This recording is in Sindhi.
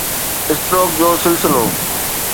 اسٽروڪ جو سلسلو